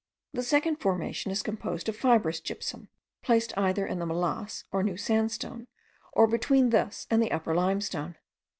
The second formation is composed of fibrous gypsum, placed either in the molasse or new sandstone, or between this and the upper limestone.